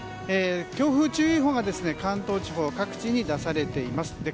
強風注意報が関東地方各地に出されています。